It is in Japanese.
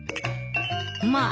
☎まあ。